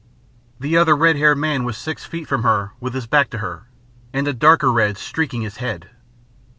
The other red haired man was six feet from her with his back to her, and a darker red streaking his head.